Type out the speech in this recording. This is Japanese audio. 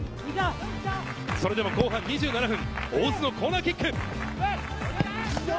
それでも後半２７分、大津のコーナーキック。